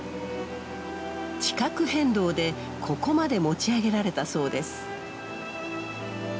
地殻変動でここまで持ち上げられたそうです。